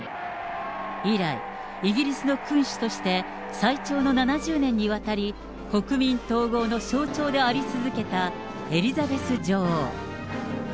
以来、イギリスの君主として最長の７０年にわたり、国民統合の象徴であり続けたエリザベス女王。